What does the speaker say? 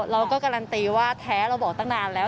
เราก็การันตีว่าแท้เราบอกตั้งนานแล้ว